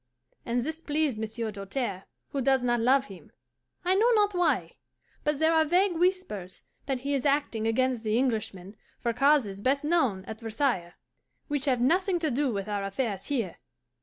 And this pleased Monsieur Doltaire, who does not love him. I know not why, but there are vague whispers that he is acting against the Englishman for causes best known at Versailles, which have nothing to do with our affairs here.